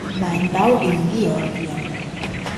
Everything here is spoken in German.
Weinbau in Georgien